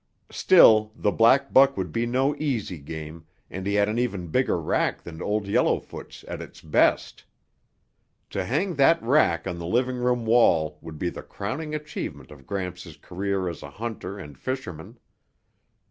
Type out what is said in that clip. Still, the black buck would be no easy game, and he had an even bigger rack than Old Yellowfoot's at its best. To hang that rack on the living room wall would be the crowning achievement of Gramps' career as a hunter and fisherman.